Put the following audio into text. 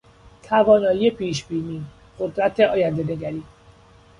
توانایی پیشبینی، قدرت آیندهنگری